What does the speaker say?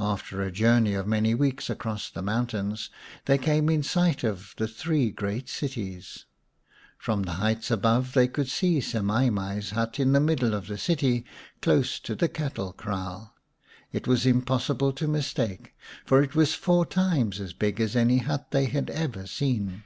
After a journey of many weeks across the mountains they came in sight of the three great cities. From the heights above they could see Semai mai's hut in the middle of the city, close to the cattle kraal. It was impossible to mistake it, for it was four times as big as any hut they had ever seen.